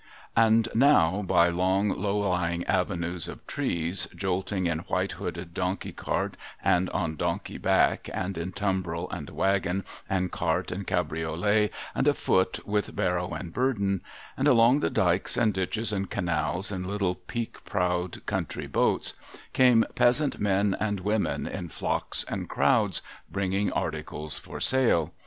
And now, by long, low lying avenues of trees, jolting in white hooded donkey cart, and on donkey back, and in tumbril and wagon, and cart and cabriolet, and afoot with barrow and burden,— and along the dikes and ditches and canals, in little peak prowed country boats, — came peasant men and women in flocks and crowds, bringing articles for sale.